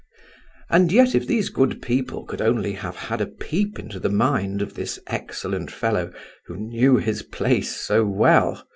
And yet if these good people could only have had a peep into the mind of this excellent fellow who "knew his place" so well!